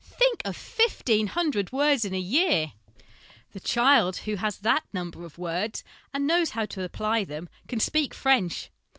Think of fifteen hundred words in a year ! The child who has that number of words, and knows how to apply them, can speak French.